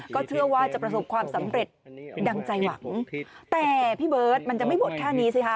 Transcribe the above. ก็เชื่อว่าจะประสบความสำเร็จดังใจหวังแต่พี่เบิร์ตมันจะไม่หมดแค่นี้สิฮะ